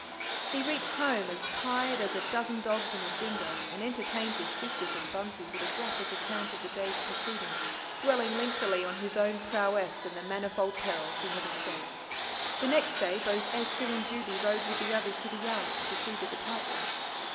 He reached home as tired as "a dozen dogs and a dingo," and entertained his sisters and Bunty with a graphic account of the day's proceedings, dwelling lengthily on his own prowess and the manifold perils he had escaped. The next day both Esther and Judy rode with the others to the yards to see the departures.